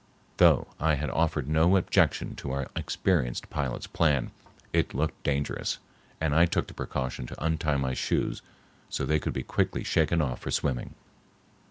Though I had offered no objection to our experienced pilot's plan, it looked dangerous, and I took the precaution to untie my shoes so they could be quickly shaken off for swimming.